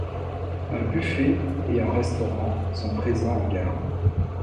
Un buffet et un restaurant sont présents en gare.